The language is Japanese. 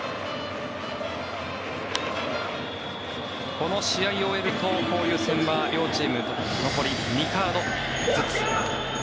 この試合を終えると交流戦は両チーム残り２カードずつ。